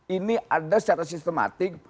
ini ada secara sistematik